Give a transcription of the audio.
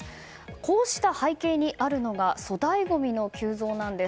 こうした背景にあるのが粗大ごみの急増なんです。